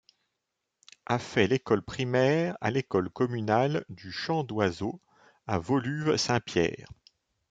A fait l'école primaire à l'école communale du Chant d'Oiseau à Woluwe-Saint-Pierre.